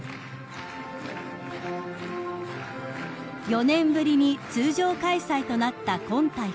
［４年ぶりに通常開催となった今大会］